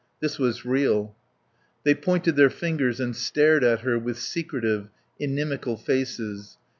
This was real. They pointed their fingers and stared at her with secretive, inimical faces.